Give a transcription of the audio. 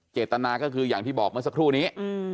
เจตนาก็คืออย่างที่บอกเมื่อสักครู่นี้